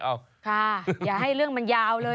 ค่ะอย่าให้เรื่องมันยาวเลยเขา